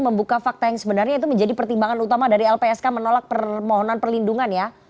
membuka fakta yang sebenarnya itu menjadi pertimbangan utama dari lpsk menolak permohonan perlindungan ya